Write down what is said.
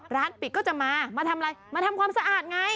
ร้านปิดก็จะมามาทำอะไรมาทำความสะอาดไง